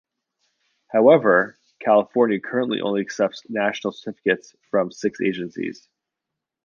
However, California currently only accepts national certificates from six agencies.